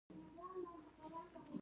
مېلمه ته د زړه قرباني ورکړه.